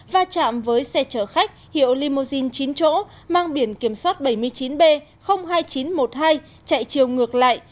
va chạm với xe chở khách hiệu limousine chín chỗ mang biển kiểm soát bảy mươi chín b hai nghìn chín trăm một mươi hai chạy chiều ngược lại